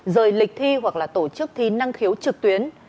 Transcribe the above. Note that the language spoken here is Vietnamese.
rời lịch thi hoặc là tổ chức thi năng khiếu trực tuyến